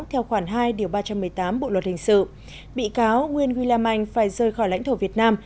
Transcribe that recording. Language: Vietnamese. theo khoản hai ba trăm một mươi tám bộ luật hình sự bị cáo nguyên william anh phải rời khỏi lãnh thổ việt nam